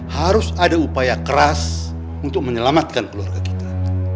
harus ada upaya keras untuk menyelamatkan keluarga kita